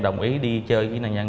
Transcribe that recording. đồng ý đi chơi với nạn nhân